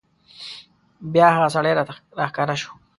بیا هغه سړی راته راښکاره شو.